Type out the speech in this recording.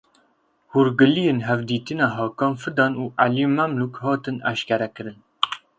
Hûrgiliyên hevdîtina Hakan Fidan û Elî Memlûk hatin eşkerekirin.